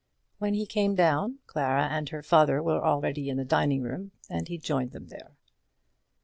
When he came down, Clara and her father were already in the dining room, and he joined them there.